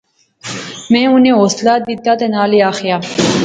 میں انیں حوصلہ دتا تہ نالے آخیا